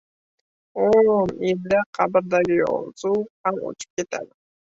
• O‘n yilda qabrdagi yozuv ham o‘chib ketadi.